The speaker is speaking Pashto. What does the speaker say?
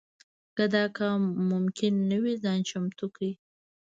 که دا کار ممکن نه وي ځان چمتو کړي.